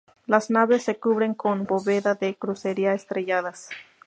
Las naves se cubren con bóveda de crucería estrelladas.